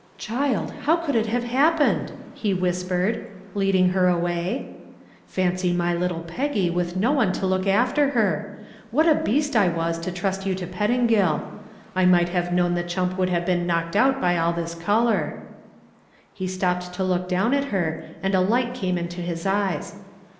"Child, how could it have happened?" he whispered, leading her away. "Fancy my little Peggy with no one to look after her. What a beast I was to trust you to Pettingill. I might have known the chump would have been knocked out by all this color." He stopped to look down at her and a light came into his eyes.